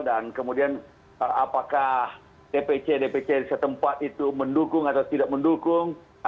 dan kemudian apakah dpc dpc di setempat itu mendukung atau tidak mendukung